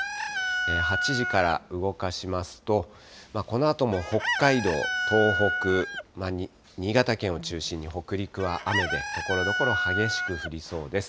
８時から動かしますと、このあとも北海道、東北、新潟県を中心に北陸は雨で、ところどころ激しく降りそうです。